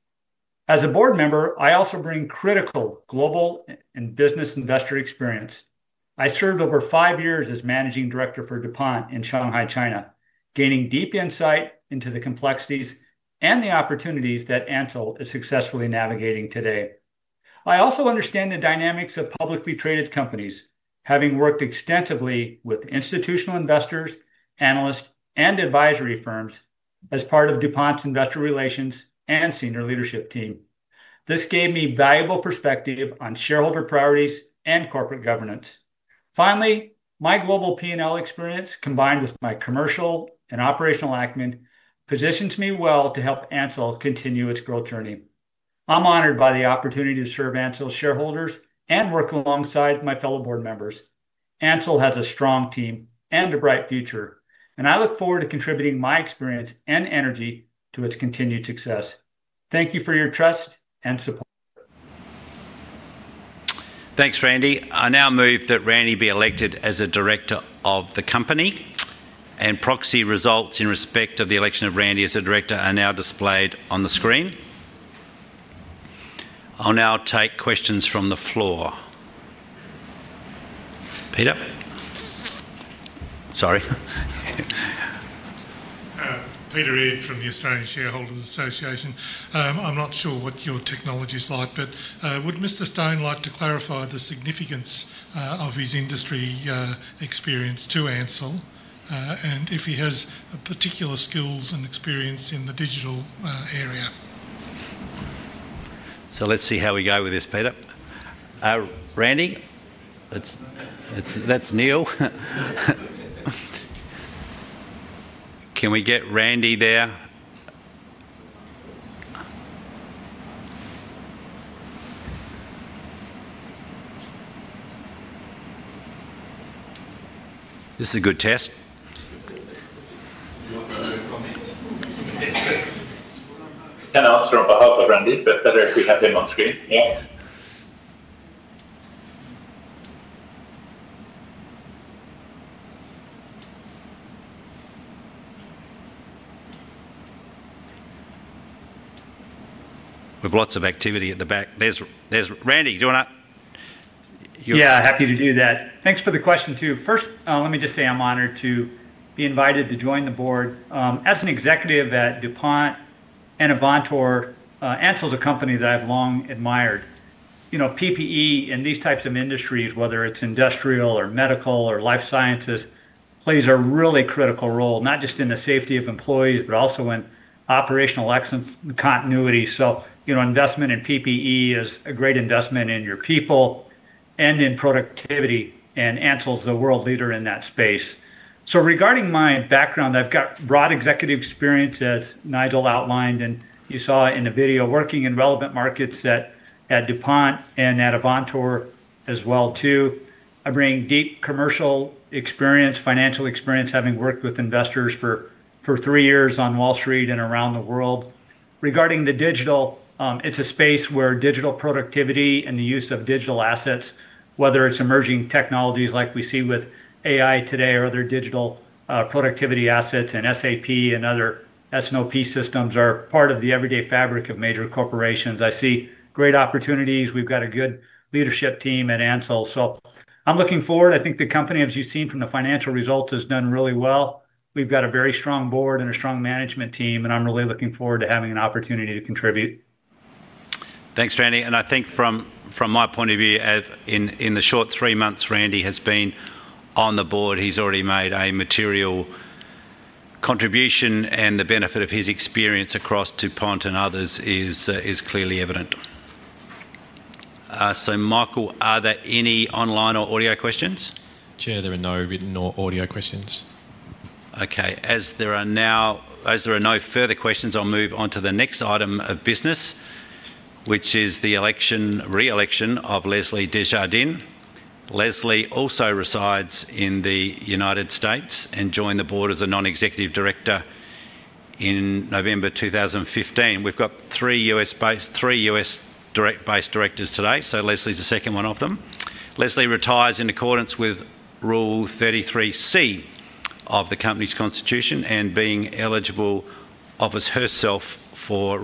As a board member, I also bring critical global and business investor experience. I served over five years as Managing Director for DuPont in Shanghai, China, gaining deep insight into the complexities and the opportunities that Ansell is successfully navigating today. I also understand the dynamics of publicly traded companies, having worked extensively with institutional investors, analysts, and advisory firms as part of DuPont's investor relations and senior leadership team. This gave me valuable perspective on shareholder priorities and corporate governance. Finally, my global P&L experience, combined with my commercial and operational acumen, positions me well to help Ansell continue its growth journey. I'm honored by the opportunity to serve Ansell's shareholders and work alongside my fellow board members. Ansell has a strong team and a bright future, and I look forward to contributing my experience and energy to its continued success. Thank you for your trust and support. Thanks, Randy. I now move that Randy be elected as a director of the company, and proxy results in respect of the election of Randy as a director are now displayed on the screen. I'll now take questions from the floor. Peter? Sorry. Peter Ed from the Australian Shareholders Association. I'm not sure what your technology's like, but would Mr. Stone like to clarify the significance of his industry experience to Ansell and if he has particular skills and experience in the digital area? Let's see how we go with this, Peter. Randy, that's Neil. Can we get Randy there? This is a good test. An answer on behalf of Randy, but better if we have him on screen. We've lots of activity at the back. There's Randy, do you want to? Yeah, happy to do that. Thanks for the question too. First, let me just say I'm honored to be invited to join the board. As an executive at DuPont and Avantor, Ansell's a company that I've long admired. PPE and these types of industries, whether it's industrial or medical or life sciences, plays a really critical role, not just in the safety of employees, but also in operational excellence and continuity. Investment in PPE is a great investment in your people and in productivity, and Ansell's the world leader in that space. Regarding my background, I've got broad executive experience, as Nigel outlined, and you saw in the video, working in relevant markets at DuPont and at Avantor as well too. I bring deep commercial experience, financial experience, having worked with investors for three years on Wall Street and around the world. Regarding the digital, it's a space where digital productivity and the use of digital assets, whether it's emerging technologies like we see with AI today or other digital productivity assets, and SAP and other S&OP systems are part of the everyday fabric of major corporations. I see great opportunities. We've got a good leadership team at Ansell. I'm looking forward. I think the company, as you've seen from the financial results, has done really well. We've got a very strong board and a strong management team, and I'm really looking forward to having an opportunity to contribute. Thanks, Randy. I think from my point of view, in the short three months Randy has been on the board, he's already made a material contribution, and the benefit of his experience across DuPont and others is clearly evident. Michael, are there any online or audio questions? Chair, there are no written or audio questions. Okay. As there are no further questions, I'll move on to the next item of business, which is the re-election of Leslie Desjardins. Leslie also resides in the United States and joined the board as a non-executive director in November 2015. We've got three U.S.-based directors today, so Leslie's the second one of them. Leslie retires in accordance with Rule 33C of the company's constitution and, being eligible, offers herself for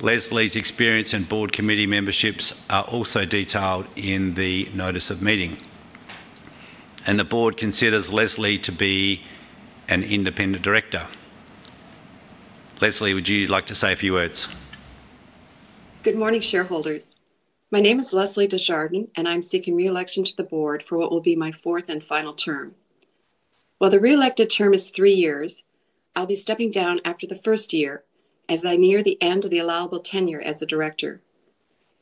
re-election. Leslie's experience and board committee memberships are also detailed in the notice of meeting. The board considers Leslie to be an independent director. Leslie, would you like to say a few words? Good morning, shareholders. My name is Leslie Desjardins, and I'm seeking re-election to the board for what will be my fourth and final term. While the re-elected term is three years, I'll be stepping down after the first year as I near the end of the allowable tenure as a director.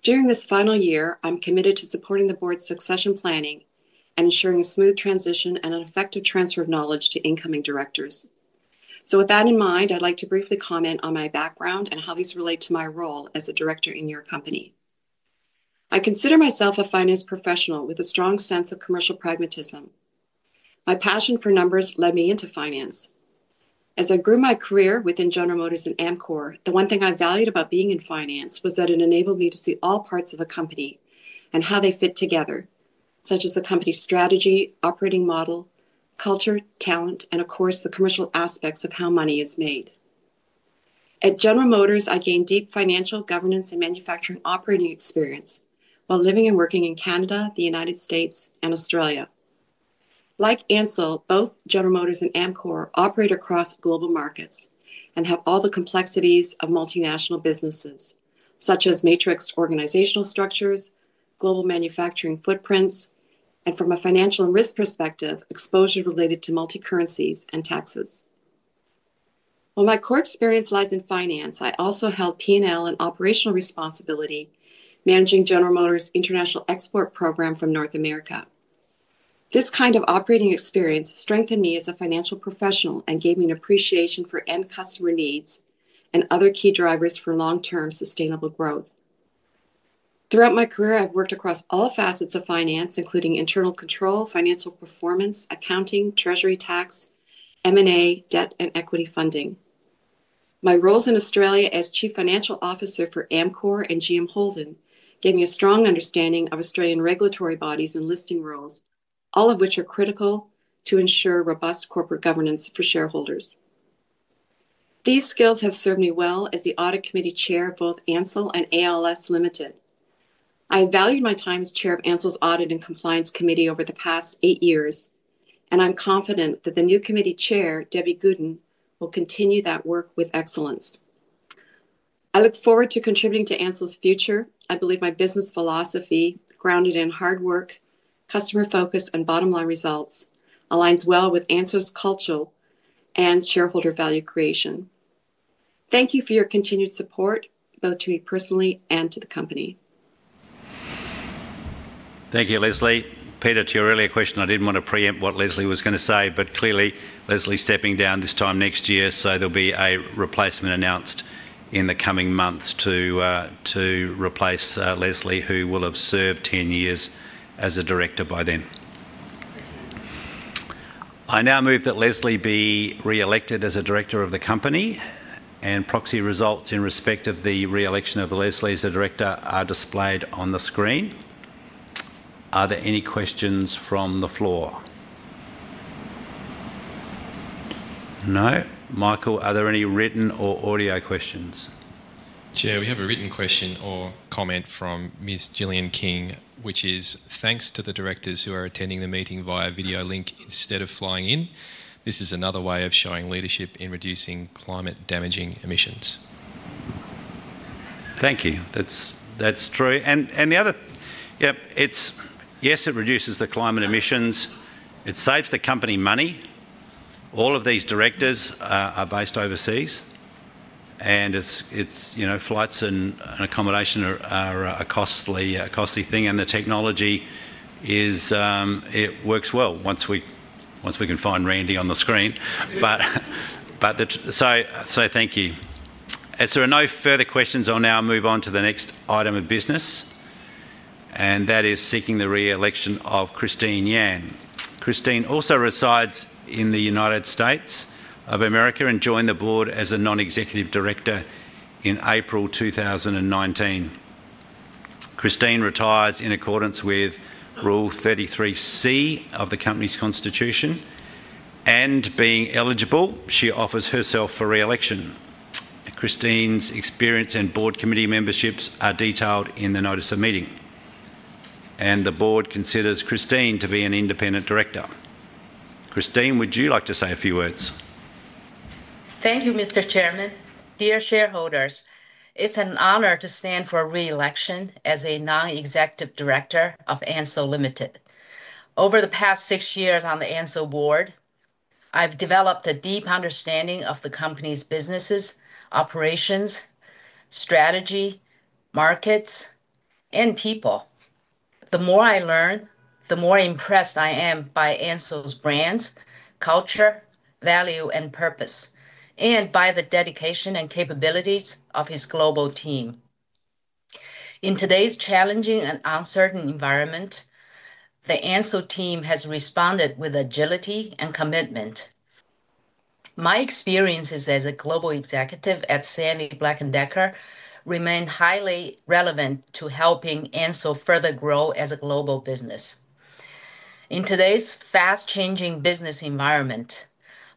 During this final year, I'm committed to supporting the board's succession planning and ensuring a smooth transition and an effective transfer of knowledge to incoming directors. With that in mind, I'd like to briefly comment on my background and how these relate to my role as a director in your company. I consider myself a finance professional with a strong sense of commercial pragmatism. My passion for numbers led me into finance. As I grew my career within General Motors and Amcor, the one thing I valued about being in finance was that it enabled me to see all parts of a company and how they fit together, such as a company's strategy, operating model, culture, talent, and of course, the commercial aspects of how money is made. At General Motors, I gained deep financial governance and manufacturing operating experience while living and working in Canada, the United States, and Australia. Like Ansell, both General Motors and Amcor operate across global markets and have all the complexities of multinational businesses, such as matrix organizational structures, global manufacturing footprints, and from a financial and risk perspective, exposure related to multi-currencies and taxes. While my core experience lies in finance, I also held P&L and operational responsibility, managing General Motors' international export program from North America. This kind of operating experience strengthened me as a financial professional and gave me an appreciation for end customer needs and other key drivers for long-term sustainable growth. Throughout my career, I've worked across all facets of finance, including internal control, financial performance, accounting, treasury, tax, M&A, debt, and equity funding. My roles in Australia as Chief Financial Officer for Amcor and GM Holden gave me a strong understanding of Australian regulatory bodies and listing rules, all of which are critical to ensure robust corporate governance for shareholders. These skills have served me well as the audit committee chair of both Ansell and ALS Limited. I valued my time as chair of Ansell's audit and compliance committee over the past eight years, and I'm confident that the new committee chair, Debbie Goodin, will continue that work with excellence. I look forward to contributing to Ansell's future. I believe my business philosophy, grounded in hard work, customer focus, and bottom-line results, aligns well with Ansell's culture and shareholder value creation. Thank you for your continued support, both to me personally and to the company. Thank you, Leslie. Peter, to your earlier question, I didn't want to preempt what Leslie was going to say, but clearly, Leslie's stepping down this time next year, so there'll be a replacement announced in the coming months to replace Leslie, who will have served 10 years as a director by then. I now move that Leslie be re-elected as a director of the company, and proxy results in respect of the re-election of Leslie as a director are displayed on the screen. Are there any questions from the floor? No? Michael, are there any written or audio questions? Chair, we have a written question or comment from Ms. Gillian King, which is, "Thanks to the directors who are attending the meeting via video link instead of flying in. This is another way of showing leadership in reducing climate-damaging emissions. Thank you. That's true. It reduces the climate emissions. It saves the company money. All of these directors are based overseas, and it's, you know, flights and accommodation are a costly thing, and the technology works well. Once we can find Randy on the screen. Thank you. As there are no further questions, I'll now move on to the next item of business, and that is seeking the re-election of Christine Yan. Christine also resides in the United States of America and joined the board as a non-executive director in April 2019. Christine retires in accordance with Rule 33C of the company's constitution, and being eligible, she offers herself for re-election. Christine's experience and board committee memberships are detailed in the notice of meeting, and the board considers Christine to be an independent director. Christine, would you like to say a few words? Thank you, Mr. Chairman. Dear shareholders, it's an honor to stand for re-election as a non-executive director of Ansell Limited. Over the past six years on the Ansell board, I've developed a deep understanding of the company's businesses, operations, strategy, markets, and people. The more I learn, the more impressed I am by Ansell's brands, culture, value, and purpose, and by the dedication and capabilities of its global team. In today's challenging and uncertain environment, the Ansell team has responded with agility and commitment. My experiences as a global executive at Stanley Black & Decker remain highly relevant to helping Ansell further grow as a global business. In today's fast-changing business environment,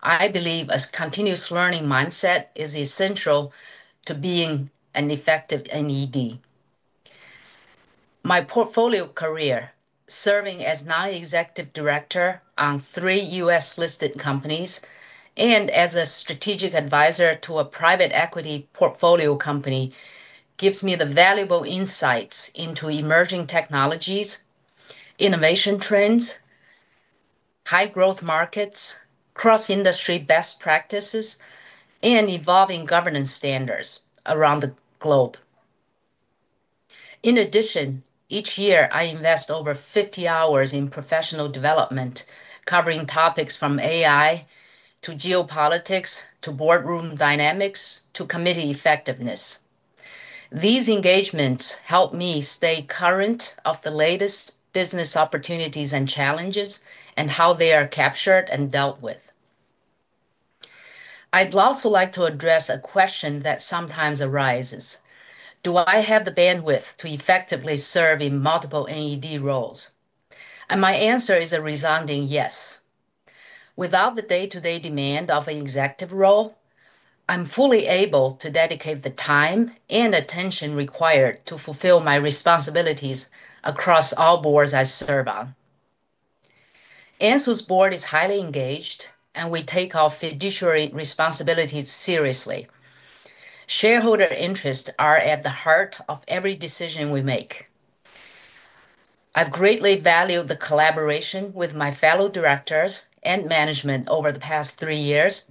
I believe a continuous learning mindset is essential to being an effective NED. My portfolio career, serving as Non-Executive Director on three U.S.-listed companies and as a strategic advisor to a private equity portfolio company, gives me valuable insights into emerging technologies, innovation trends, high-growth markets, cross-industry best practices, and evolving governance standards around the globe. In addition, each year I invest over 50 hours in professional development, covering topics from AI to geopolitics to boardroom dynamics to committee effectiveness. These engagements help me stay current of the latest business opportunities and challenges and how they are captured and dealt with. I'd also like to address a question that sometimes arises: Do I have the bandwidth to effectively serve in multiple NED roles? My answer is a resounding yes. Without the day-to-day demand of an executive role, I'm fully able to dedicate the time and attention required to fulfill my responsibilities across all boards I serve on. Ansell's board is highly engaged, and we take our fiduciary responsibilities seriously. Shareholder interests are at the heart of every decision we make. I've greatly valued the collaboration with my fellow directors and management over the past six years,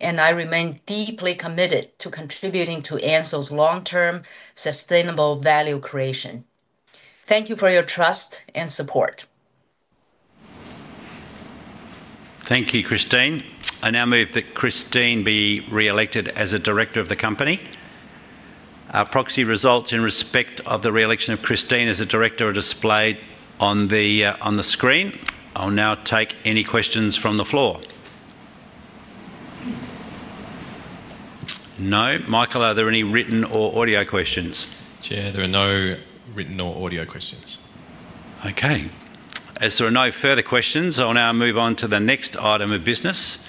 and I remain deeply committed to contributing to Ansell's long-term sustainable value creation. Thank you for your trust and support. Thank you, Christine. I now move that Christine be re-elected as a director of the company. Our proxy results in respect of the re-election of Christine as a director are displayed on the screen. I'll now take any questions from the floor. No? Michael, are there any written or audio questions? Chair, there are no written or audio questions. Okay. As there are no further questions, I'll now move on to the next item of business,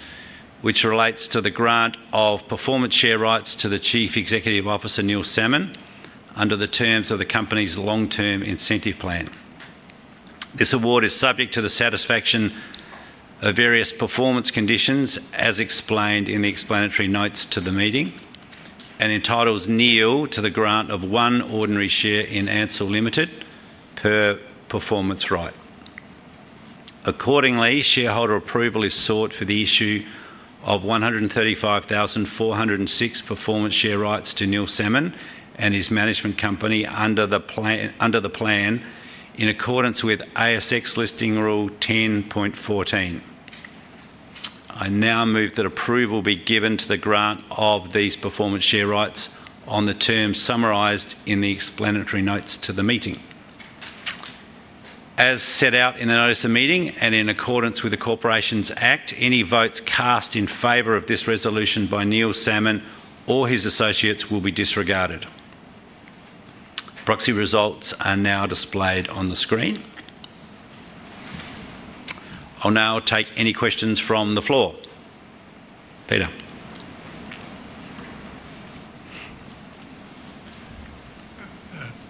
which relates to the grant of performance share rights to the Chief Executive Officer, Neil Salmon, under the terms of the company's long-term incentive plan. This award is subject to the satisfaction of various performance conditions, as explained in the explanatory notes to the meeting, and entitles Neil to the grant of one ordinary share in Ansell Limited per performance right. Accordingly, shareholder approval is sought for the issue of 135,406 performance share rights to Neil Salmon and his management company under the plan, in accordance with ASX listing rule 10.14. I now move that approval be given to the grant of these performance share rights on the terms summarized in the explanatory notes to the meeting. As set out in the notice of meeting and in accordance with the Corporations Act, any votes cast in favor of this resolution by Neil Salmon or his associates will be disregarded. Proxy results are now displayed on the screen. I'll now take any questions from the floor. Peter.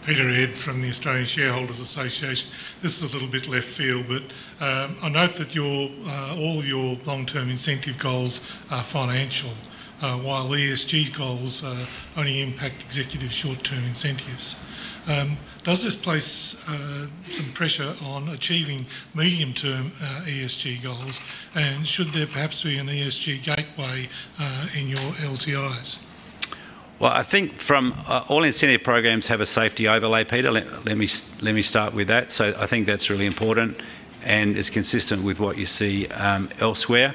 This is a little bit left field, but I note that all your long-term incentive goals are financial, while ESG goals only impact executive short-term incentives. Does this place some pressure on achieving medium-term ESG goals, and should there perhaps be an ESG gateway in your LTIs? I think all incentive programs have a safety overlay, Peter. Let me start with that. I think that's really important and is consistent with what you see elsewhere.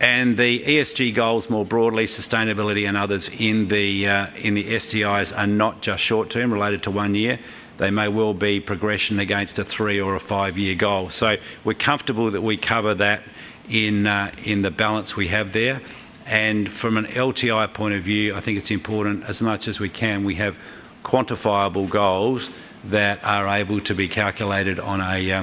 The ESG goals more broadly, sustainability and others in the STIs, are not just short-term related to one year. They may well be progression against a three or a five-year goal. We're comfortable that we cover that in the balance we have there. From an LTI point of view, I think it's important as much as we can we have quantifiable goals that are able to be calculated on a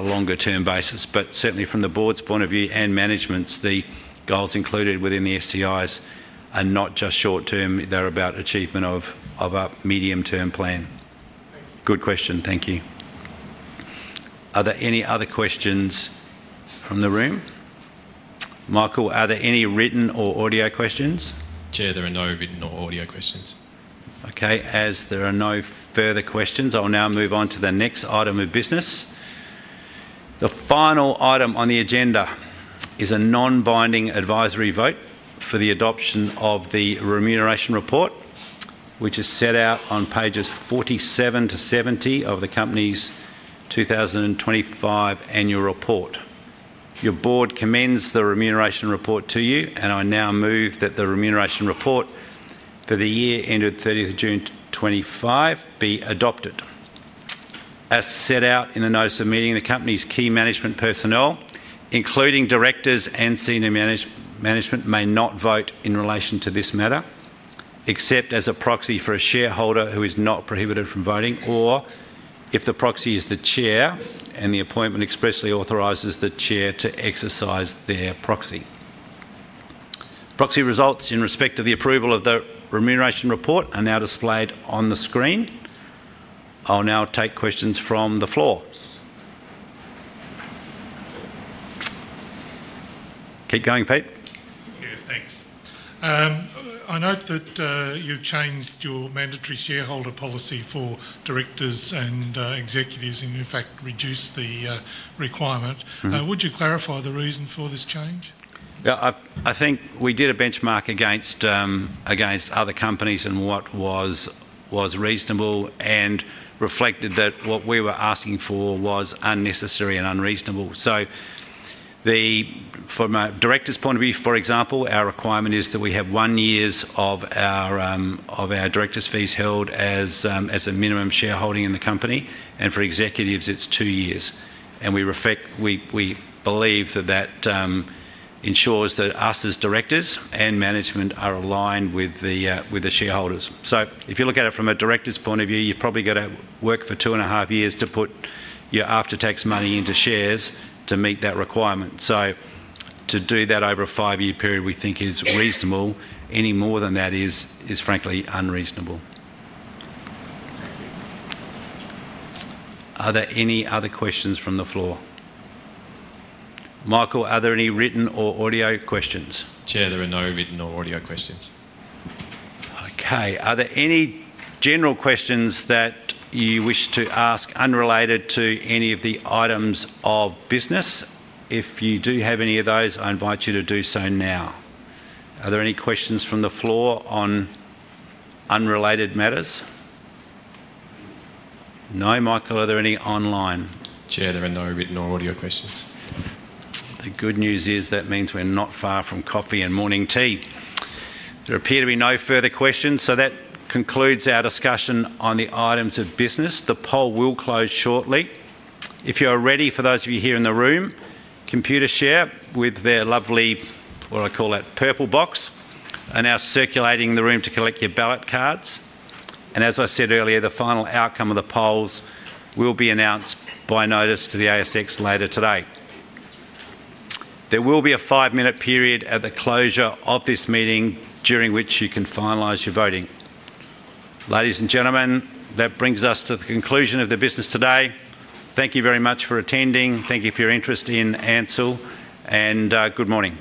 longer-term basis. Certainly from the board's point of view and management's, the goals included within the STIs are not just short-term. They're about achievement of a medium-term plan. Good question. Thank you. Are there any other questions from the room? Michael, are there any written or audio questions? Chair, there are no written or audio questions. Okay. As there are no further questions, I'll now move on to the next item of business. The final item on the agenda is a non-binding advisory vote for the adoption of the remuneration report, which is set out on pages 47-70 of the company's 2025 annual report. Your Board commends the remuneration report to you, and I now move that the remuneration report for the year ended 30th of June 2025 be adopted. As set out in the notice of meeting, the company's key management personnel, including directors and senior management, may not vote in relation to this matter except as a proxy for a shareholder who is not prohibited from voting, or if the proxy is the Chair and the appointment expressly authorizes the Chair to exercise their proxy. Proxy results in respect of the approval of the remuneration report are now displayed on the screen. I'll now take questions from the floor. Keep going, Pete. Yeah, thanks. I note that you changed your mandatory shareholder policy for directors and executives, and, in fact, reduced the requirement. Would you clarify the reason for this change? Yeah, I think we did a benchmark against other companies and what was reasonable and reflected that what we were asking for was unnecessary and unreasonable. From a Director's point of view, for example, our requirement is that we have one year of our director's fees held as a minimum shareholding in the company, and for executives it's two years. We believe that that ensures that us as Directors and management are aligned with the shareholders. If you look at it from a director's point of view, you've probably got to work for two and a half years to put your after-tax money into shares to meet that requirement. To do that over a five-year period we think is reasonable. Any more than that is frankly unreasonable. Are there any other questions from the floor? Michael, are there any written or audio questions? Chair, there are no written or audio questions. Okay. Are there any general questions that you wish to ask unrelated to any of the items of business? If you do have any of those, I invite you to do so now. Are there any questions from the floor on unrelated matters? No, Michael, are there any online? Chair, there are no written or audio questions. The good news is that means we're not far from coffee and morning tea. There appear to be no further questions, so that concludes our discussion on the items of business. The poll will close shortly. If you are ready, for those of you here in the room, Computershare with their lovely, what do I call that, purple box, are now circulating the room to collect your ballot cards. As I said earlier, the final outcome of the polls will be announced by notice to the ASX later today. There will be a five-minute period at the closure of this meeting during which you can finalize your voting. Ladies and gentlemen, that brings us to the conclusion of the business today. Thank you very much for attending. Thank you for your interest in Ansell, and good morning.